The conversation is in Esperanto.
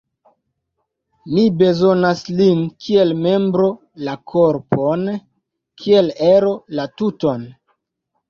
Mi bezonas lin kiel membro la korpon, kiel ero la tuton.